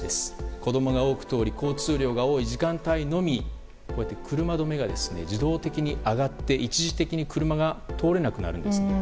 子供が多く通り交通量が多い時間帯のみこうやって車止めが自動的に上がって一時的に車が通れなくなるんですね。